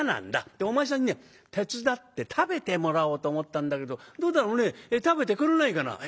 でお前さんにね手伝って食べてもらおうと思ったんだけどどうだろうね食べてくれないかな？」。